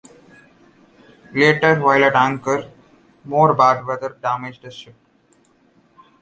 Later, while at anchor, more bad weather damaged the ship.